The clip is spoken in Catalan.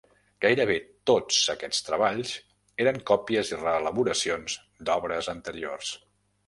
Gairebé tots aquests treballs eren còpies i reelaboracions d'obres anteriors.